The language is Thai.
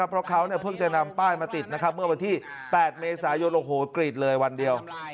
เพราะเขาเพิ่งจะนำป้ายมาติดเมื่อวันที่๘เมษายนโอ้โหกรีดเลยวันเดียว